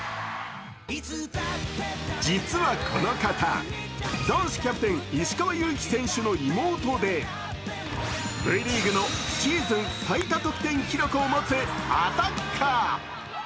実はこの方、男子キャプテン石川祐希選手の妹でＶリーグのシーズン最多得点記録を持つアタッカー。